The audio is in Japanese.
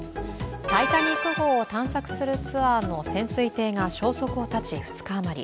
「タイタニック」号を探索するツアーの潜水艇が消息を絶ち２日あまり。